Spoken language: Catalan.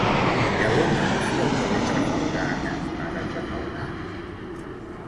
Hi ha algun negoci al carrer Trafalgar cantonada Trafalgar?